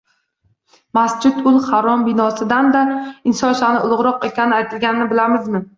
Masjid-ul Harom binosidan-da inson sha’ni ulug‘roq ekani aytilganini bilamizmi